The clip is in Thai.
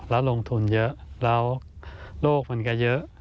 แล้วลงทุนเยอะแล้วโลกมันก็เยอะ